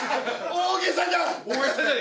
大げさじゃない。